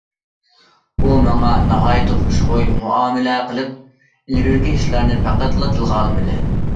ئۇ ماڭا ناھايىتى خۇشخۇي مۇئامىلە قىلىپ ئىلگىرىكى ئىشلارنى پەقەتلا تىلغا ئالمىدى.